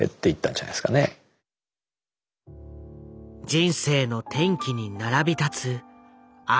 人生の転機に並び立つ兄と弟。